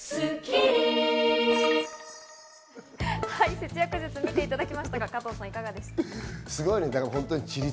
節約術、見ていただきましたがいかがでしたか？